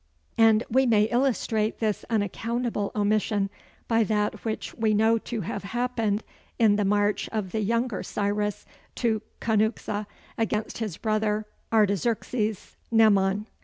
And we may illustrate this unaccountable omission by that which we know to have happened in the march of the younger Cyrus to Cunuxa against his brother Artaxerxes Mnemon.